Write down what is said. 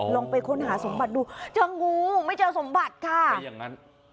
ลองไปค้นหาสมบัติดูเจ้างูไม่เจอสมบัติค่ะ